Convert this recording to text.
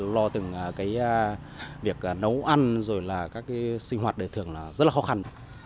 lo từ việc nấu ăn rồi các sinh hoạt đời thường rất là khó khăn